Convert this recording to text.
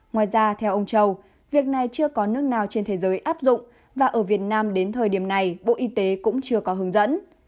ngoài ra theo ông châu việc này chưa có nước nào trên thế giới áp dụng và ở việt nam đến thời điểm này bộ y tế cũng chưa có hướng dẫn